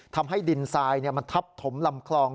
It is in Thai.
ทำให้ดินทรายมันทับถมลำคลอง